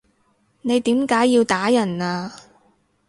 你點解要打人啊？